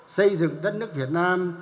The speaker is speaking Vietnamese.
xây dựng đất nước việt nam